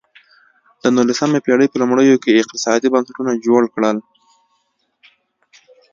د نولسمې پېړۍ په لومړیو کې اقتصادي بنسټونه جوړ کړل.